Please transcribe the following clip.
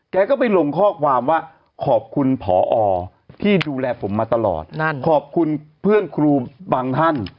แกก็ไปลงข้อความว่าขอบคุณผอที่ดูแลผมมาตลอดขอบคุณเพื่อนครูบางท่าน